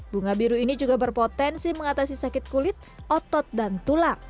bunga biru ini juga berpotensi mengatasi sakit kulit otot dan tulang